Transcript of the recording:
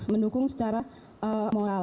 mendukung secara moral